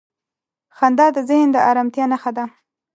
• خندا د ذهن د آرامتیا نښه ده.